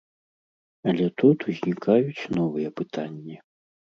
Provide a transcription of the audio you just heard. Але тут узнікаюць новыя пытанні.